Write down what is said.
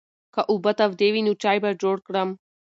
که اوبه تودې وي نو چای به جوړ کړم.